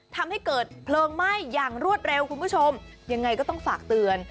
ทำให้เกิดเพลิงไหม้อย่างรวดเร็วคุณผู้ชมยังไงก็ต้องฝากเตือน